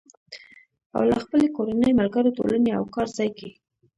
او له خپلې کورنۍ، ملګرو، ټولنې او کار ځای کې